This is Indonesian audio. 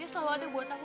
dia selalu ada buat aku